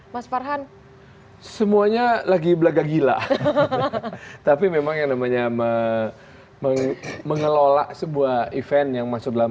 mas farhan semuanya lagi belaga gila tapi memang yang namanya mengelola sebuah event yang masuk dalam